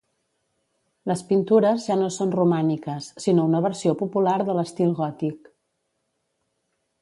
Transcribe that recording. Les pintures ja no són romàniques sinó una versió popular de l'estil gòtic.